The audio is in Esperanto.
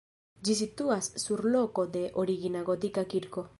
Ĝi situas sur loko de origina gotika kirko.